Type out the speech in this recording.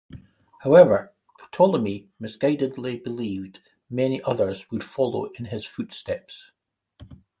However, Ptolemy misguidedly believed many others would follow in his footsteps.